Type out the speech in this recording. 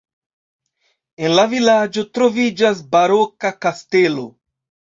En la vilaĝo troviĝas baroka kastelo.